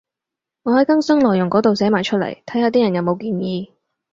我喺更新內容嗰度寫埋出嚟，睇下啲人有冇建議